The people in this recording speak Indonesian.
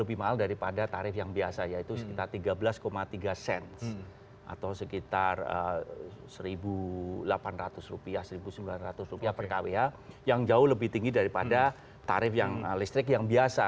lebih mahal daripada tarif yang biasa yaitu sekitar tiga belas tiga sense atau sekitar rp satu delapan ratus rp satu sembilan ratus per kwh yang jauh lebih tinggi daripada tarif yang listrik yang biasa